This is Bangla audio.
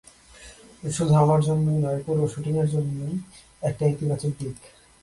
শুধু আমার জন্যই নয়, পুরো শ্যুটিংয়ের জন্যই এটা একটা ইতিবাচক দিক।